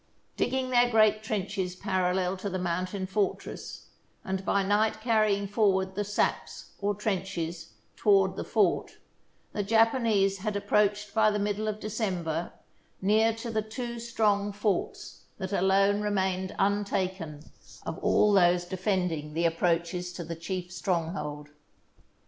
Digging their great trenches parallel to the mountain fortress, and by night carrying forward the saps, or trenches, toward the fort, the Japanese had approached, by the middle of December, near to the two strong forts that alone remained untaken of all those defending the approaches to the chief stronghold.